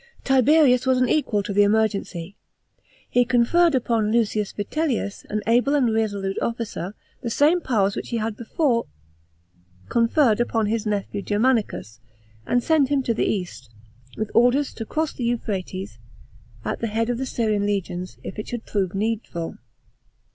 Tiberius was equal to the emergency. He conferred upon Lucius Vitellius, an able and resolute officer, the same powers which he had before con 34A.D. THE EASTERN QUESTION. 207 ferred upon bis nephew Germanieus, and sent him to the east, with orders to cross the Euphrates, at the h ad 01 the Syrian Itgions, if it should prove needful.